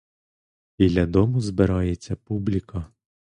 Біля дому збирається публіка.